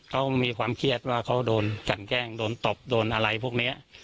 เขามีความเครียดว่าเขาโดนกันแกล้งโดนตบโดนอะไรพวกนี้